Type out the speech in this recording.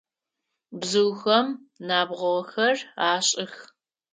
Бзыухэм набгъохэр ашӏых.